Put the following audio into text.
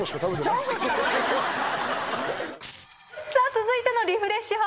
続いてのリフレッシュ法